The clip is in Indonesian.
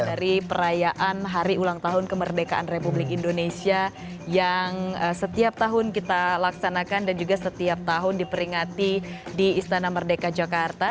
dari perayaan hari ulang tahun kemerdekaan republik indonesia yang setiap tahun kita laksanakan dan juga setiap tahun diperingati di istana merdeka jakarta